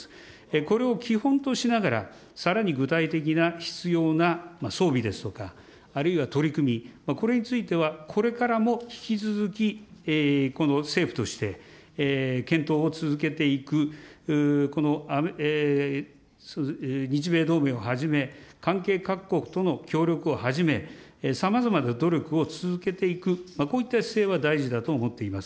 これを基本としながら、さらに具体的な必要な装備ですとか、あるいは取り組み、これについてはこれからも引き続き、政府として検討を続けていく、日米同盟をはじめ、関係各国との協力をはじめ、さまざまな努力を続けていく、こういった姿勢は大事だと思っています。